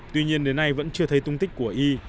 tuy nhiên đến nay vẫn chưa thấy tung tích của y